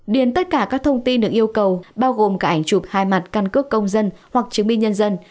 điền tất cả các thông tin được yêu cầu bao gồm cả ảnh chụp hai mặt căn cước công dân hoặc chứng minh nhân dân